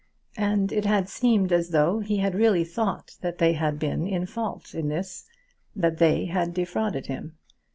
And it seemed as though he had really thought that they had been in fault in this, that they had defrauded him.